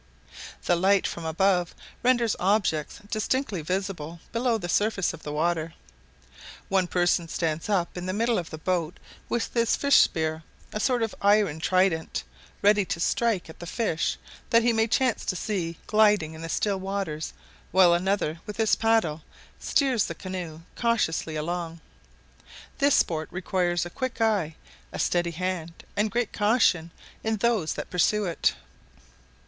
The light from above renders objects distinctly visible below the surface of the water. One person stands up in the middle of the boat with his fish spear a sort of iron trident, ready to strike at the fish that he may chance to see gliding in the still waters, while another with his paddle steers the canoe cautiously along. This sport requires a quick eye, a steady hand, and great caution in those that pursue it.